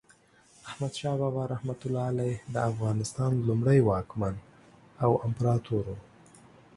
احمد شاه بابا رحمة الله علیه د افغانستان لومړی واکمن او امپراتور و.